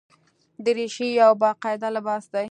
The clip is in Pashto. دریشي یو باقاعده لباس دی.